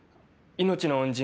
命の恩人？